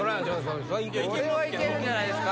これはいけるんじゃないですか？